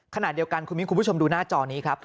ขณะเดียวกันคุณมิ้นคุณผู้ชมดูหน้าจอนี้ครับ